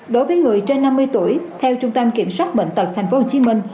đối với người trên năm mươi tuổi theo trung tâm kiểm soát bệnh tật tp hcm